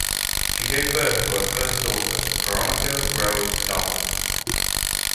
She gave birth to her first Daughter Veronica Rose Dahmen.